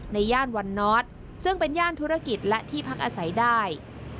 ย่านวันนอร์ทซึ่งเป็นย่านธุรกิจและที่พักอาศัยได้